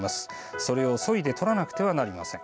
それを、そいでとらなくてはなりません。